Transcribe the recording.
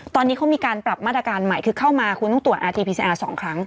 ตอนนี้เขามีการปรับมาตรการใหม่คือเข้ามาคุณต้องตรวจสองครั้ง